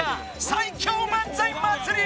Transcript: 最強漫才祭り